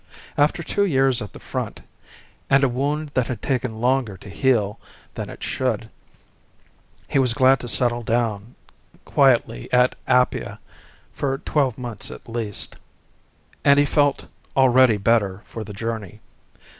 After two years at the front and a wound that had taken longer to heal than it should, he was glad to settle down quietly at Apia for twelve months at least, and he felt already better for the journey.